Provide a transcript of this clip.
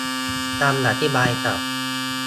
คำอธิบายศัพท์